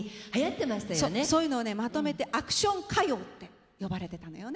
そういうのをねまとめてアクション歌謡って呼ばれてたのよね。